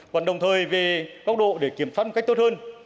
còn đồng thời về góc độ để kiểm soát một cách tốt hơn